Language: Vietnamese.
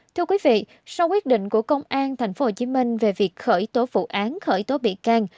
thưa quý vị sau quyết định của công an tp hcm về việc khởi tố vụ án khởi tố bị can